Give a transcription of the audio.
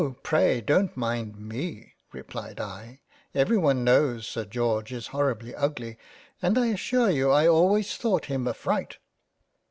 pray dont mind me ; (replied I) every one knows Sir George is horribly ugly, and I assure you I always thought him a fright."